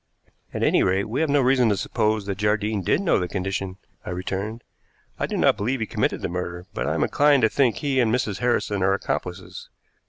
"At any rate, we have no reason to suppose that Jardine did know the condition," I returned. "I do not believe he committed the murder, but I am inclined to think he and Mrs. Harrison are accomplices."